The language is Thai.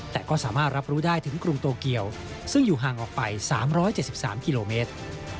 แต่ก็สามารถรับรู้ได้ถึงกรุงโตเกียวซึ่งอยู่ห่างออกไป๓๗๓กิโลเมตร